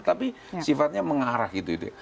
tapi sifatnya mengarah gitu itu